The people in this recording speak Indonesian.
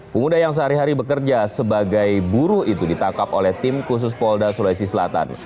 pemuda yang sehari hari bekerja sebagai buruh itu ditangkap oleh tim khusus polda sulawesi selatan